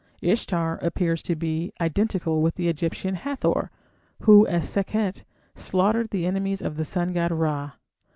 Ishtar appears to be identical with the Egyptian Hathor, who, as Sekhet, slaughtered the enemies of the sun god Ra.